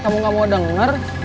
kamu gak mau denger